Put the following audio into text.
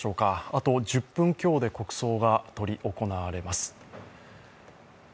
あと１０分強で国葬が執り行われます。